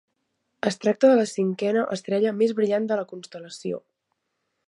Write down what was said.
Es tracta de la cinquena estrella més brillant de la constel·lació.